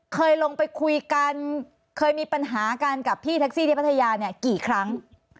เคยลงไปคุยกันเคยมีปัญหากันกับพี่แท็กซี่ที่พัทยาเนี่ยกี่ครั้ง